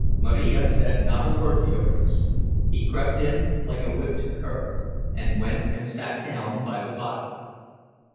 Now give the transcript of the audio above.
Marija said not a word to Jurgis; he crept in like a whipped cur, and went and sat down by the body.